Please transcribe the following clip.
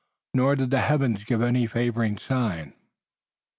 Nor did the heavens give any favoring sign.